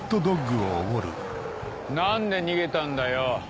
何で逃げたんだよ。